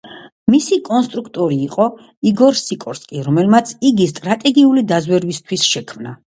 მისი კონსტრუქტორი იყო იგორ სიკორსკი, რომელმაც იგი სტრატეგიული დაზვერვისთვის შექმნა.